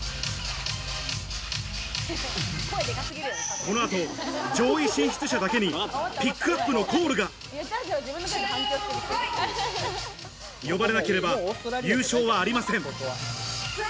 この後、上位進出者だけにピックアップのコールが。呼ばれなければ優勝はありません。